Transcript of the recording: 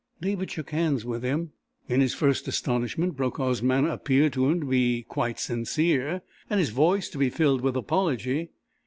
David shook hands with him. In his first astonishment Brokaw's manner appeared to him to be quite sincere, and his voice to be filled with apology.